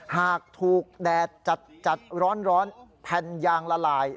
หากถูกแดดจัดร้อนแผ่นยางละลาย